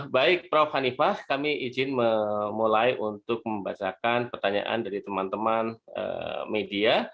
baik prof hanifah kami izin memulai untuk membacakan pertanyaan dari teman teman media